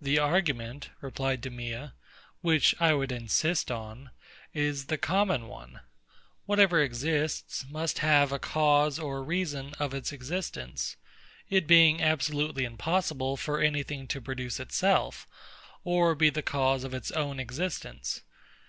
The argument, replied DEMEA, which I would insist on, is the common one. Whatever exists must have a cause or reason of its existence; it being absolutely impossible for any thing to produce itself, or be the cause of its own existence.